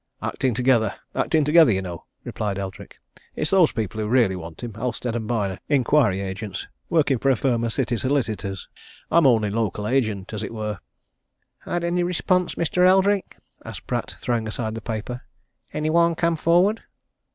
"Acting together acting together, you know!" replied Eldrick. "It's those people who really want him Halstead & Byner, inquiry agents, working for a firm of City solicitors. I'm only local agent as it were." "Had any response, Mr. Eldrick?" asked Pratt, throwing aside the paper. "Any one come forward?"